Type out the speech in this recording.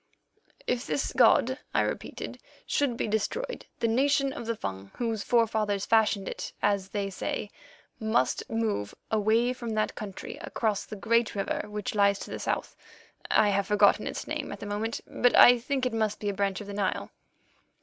"If this god," I repeated, "should be destroyed, the nation of the Fung, whose forefathers fashioned it as they say, must move away from that country across the great river which lies to the south. I have forgotten its name at the moment, but I think it must be a branch of the Nile.